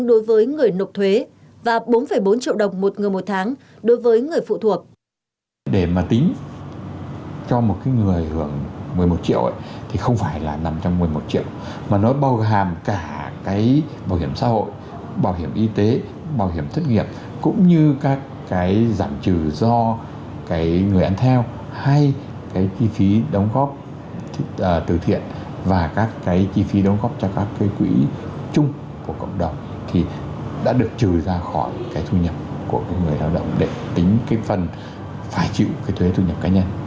đối với người nộp thuế và bốn bốn triệu đồng một người một tháng đối với người phụ thuộc